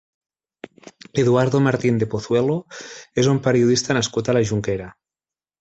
Eduardo Martín de Pozuelo és un periodista nascut a la Jonquera.